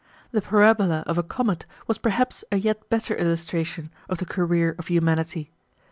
The parabola of a comet was perhaps a yet better illustration of the career of humanity.